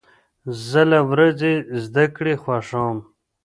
زه له ورځې زده کړې خوښ یم.